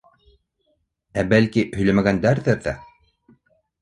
Ә, бәлки, һөйләмәгәндер ҙә?!